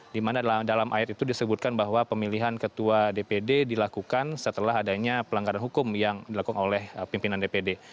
di mana dalam ayat itu disebutkan bahwa pemilihan ketua dpd dilakukan setelah adanya pelanggaran hukum yang dilakukan oleh pimpinan dpd